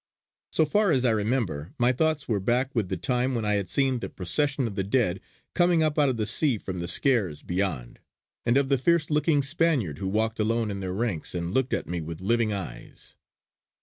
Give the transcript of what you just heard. So far as I remember, my thoughts were back with the time when I had seen the procession of the dead coming up out of the sea from the Skares beyond, and of the fierce looking Spaniard who walked alone in their ranks and looked at me with living eyes.